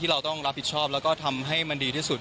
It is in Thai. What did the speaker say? เราต้องรับผิดชอบแล้วก็ทำให้มันดีที่สุด